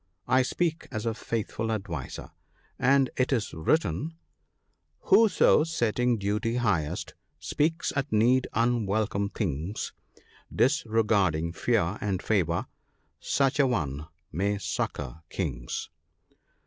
I speak as a faithful adviser ; and it is written —" Whoso, setting duty highest, speaks at need unwelcome things, Disregarding fear and favour, such an one may succour kings."